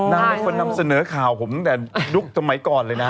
นางเป็นคนนำเสนอข่าวผมตั้งแต่ยุคสมัยก่อนเลยนะ